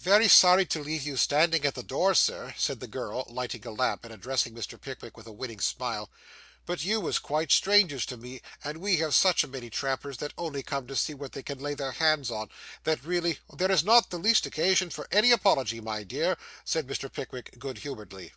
'Very sorry to leave you standing at the door, Sir,' said the girl, lighting a lamp, and addressing Mr. Pickwick with a winning smile, 'but you was quite strangers to me; and we have such a many trampers that only come to see what they can lay their hands on, that really ' 'There is not the least occasion for any apology, my dear,' said Mr. Pickwick good humouredly.